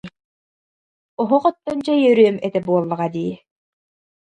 Оһох оттон чэй өрүөм этэ буоллаҕа дии